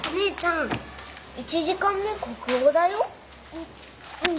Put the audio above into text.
あっうん。